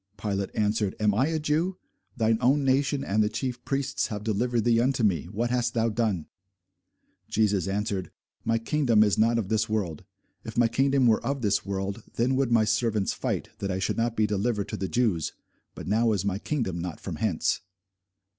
Pilate answered, Am I a Jew? Thine own nation and the chief priests have delivered thee unto me: what hast thou done? Jesus answered, My kingdom is not of this world: if my kingdom were of this world, then would my servants fight, that I should not be delivered to the Jews: but now is my kingdom not from hence.